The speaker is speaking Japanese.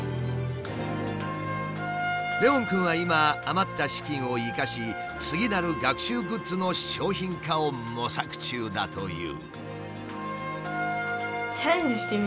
レウォンくんは今余った資金を生かし次なる学習グッズの商品化を模索中だという。